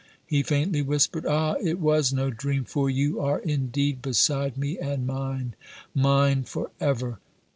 he faintly whispered. "Ah! it was no dream, for you are, indeed, beside me and mine mine forever!"